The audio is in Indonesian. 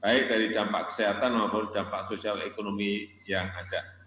baik dari dampak kesehatan maupun dampak sosial ekonomi yang ada